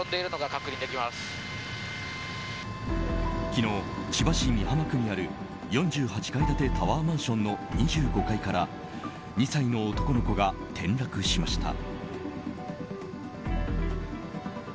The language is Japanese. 昨日、千葉市美浜区にある４８階建てタワーマンションの２５階から２歳の男の子が転落しました。